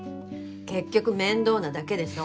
結局面倒なだけでしょ。